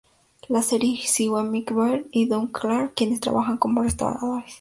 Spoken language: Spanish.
La serie sigue a Mike Baird y Doug Clark, quienes trabajan como restauradores.